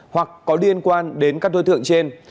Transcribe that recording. hoặc có liên quan đến các đối tượng trên